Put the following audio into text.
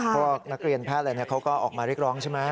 พวกนักเรียนแพทย์อะไรเขาก็ออกมาเรียกร้องใช่ไหม